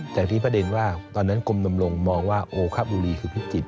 แต่มีประเด็นว่าตอนนั้นกรมดำรงมองว่าโอคบุรีคือพิจิตร